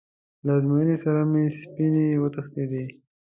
له ازموینې سره مې سپینې وتښتېدې.